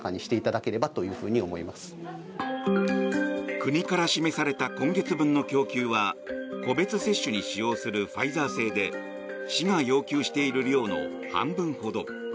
国から示された今月分の供給は個別接種に使用するファイザー製で市が要求している量の半分ほど。